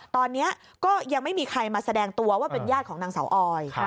ตอนนี้ก็ยังไม่มีใครมาแสดงตัวว่าเป็นญาติของนางสาวออย